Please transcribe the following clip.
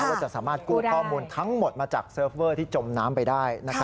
ว่าจะสามารถกู้ข้อมูลทั้งหมดมาจากเซิร์ฟเวอร์ที่จมน้ำไปได้